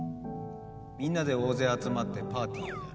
みんなで大勢集まってパーティーをやる。